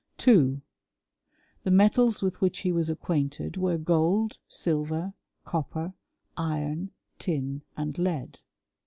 2. The metals with which he was acquainted were gioldy silver, copper , iron, tin, and lead.